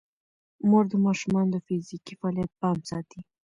مور د ماشومانو د فزیکي فعالیت پام ساتي.